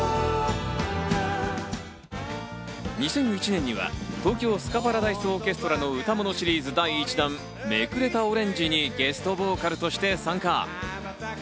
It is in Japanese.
２００１年には東京スカパラダイスオーケストラの歌モノシリーズ第１弾、『めくれたオレンジ』にゲストボーカルとして参加。